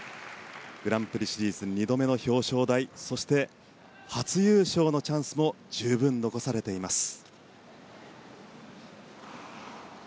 グランプリシリーズ２度目の表彰台そして、初優勝のチャンスも十分残されています。